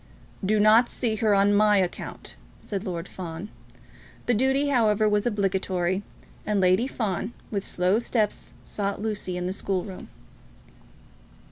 "Do not see her on my account," said Lord Fawn. The duty, however, was obligatory, and Lady Fawn with slow steps sought Lucy in the school room.